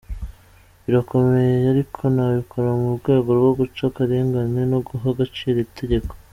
Birakomeye ariko nabikora mu rwego rwo guca akarengane no guha agaciro itegeko".